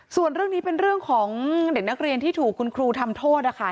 ส่วนเรื่องนี้เป็นเรื่องของเด็กนักเรียนที่ถูกคุณครูทำโทษนะคะ